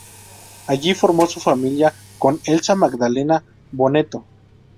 Allí formó su familia con Elsa Magdalena Bonetto.